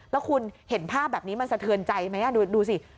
แล้วคุณเห็นภาพแบบนี้มันสะเทือนใจไหมดูสิ